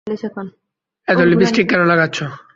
এতো লিপস্টিক কেন লাগাচ্ছ?